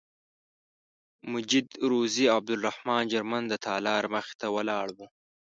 مجید روزي او عبدالرحمن جرمن د تالار مخې ته ولاړ وو.